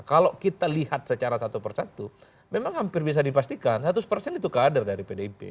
kalau kita lihat secara satu persatu memang hampir bisa dipastikan seratus persen itu kader dari pdip